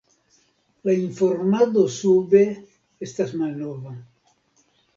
La informado sube estas malnova.